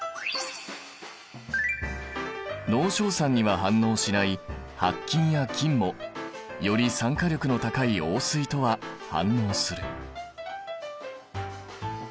濃硝酸には反応しない白金や金もより酸化力の高い王水とは反応する。